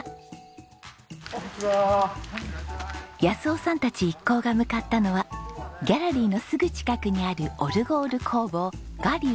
夫さんたち一行が向かったのはギャラリーのすぐ近くにあるオルゴール工房ＧＡＲＹＵ雅流